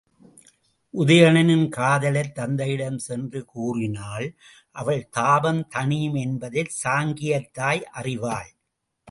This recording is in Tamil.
உதயணனின் காதலைத் தத்தையிடம் சென்று கூறினால் அவள் தாபம் தணியுமென்பதைச் சாங்கியத்தாய் அறிவாள்.